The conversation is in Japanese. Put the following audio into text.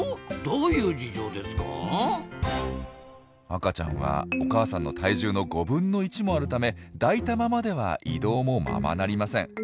赤ちゃんはお母さんの体重の５分の１もあるため抱いたままでは移動もままなりません。